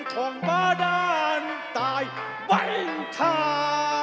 ห่วงบ้าด้านตายวันชา